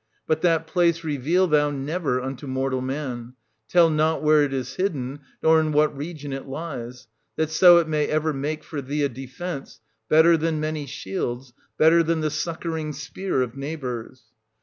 But that place reveal thou never unto mortal man, — tell not where it is hidden, nor in what region it lies ; that so it may ever ' make for thee a defence, better than many shields, better than the succouring spear of neighbours.